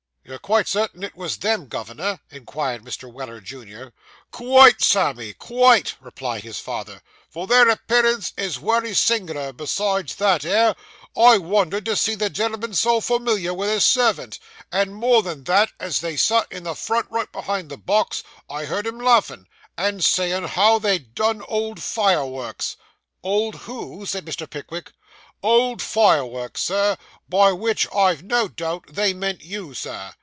'You're quite certain it was them, governor?' inquired Mr. Weller, junior. 'Quite, Sammy, quite,' replied his father, 'for their appearance is wery sing'ler; besides that 'ere, I wondered to see the gen'l'm'n so formiliar with his servant; and, more than that, as they sat in the front, right behind the box, I heerd 'em laughing and saying how they'd done old Fireworks.' 'Old who?' said Mr. Pickwick. 'Old Fireworks, Sir; by which, I've no doubt, they meant you, Sir.